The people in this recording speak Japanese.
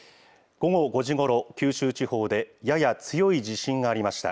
午後５時ごろ、九州地方でやや強い地震がありました。